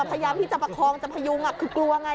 พยายามที่จะประคองจะพยุงคือกลัวไง